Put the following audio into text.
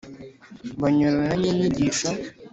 Banyuranya n inyigisho